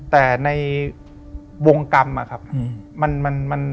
แต่ในวงกรรม